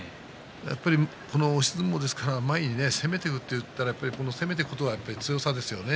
やっぱり押し相撲ですから前に攻めていくといったら攻めていくということが強さですよね